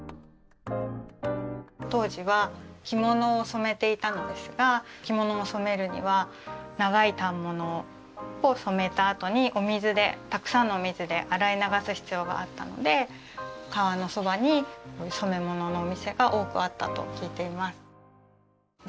当時は着物を染めていたのですが着物を染めるには長い反物を染めたあとにお水でたくさんのお水で洗い流す必要があったので川のそばに染め物のお店が多くあったと聞いています。